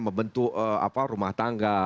membentuk rumah tangga